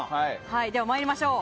では参りましょう。